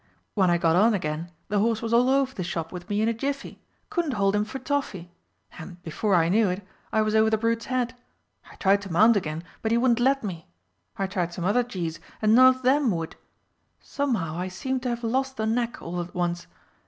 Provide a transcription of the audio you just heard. When I got on again the horse was all over the shop with me in a jiffy. Couldn't hold him for toffee! And, before I knew it, I was over the brute's head. I tried to mount again, but he wouldn't let me. I tried some other gees, and none of them would. Somehow I seemed to have lost the knack all at once.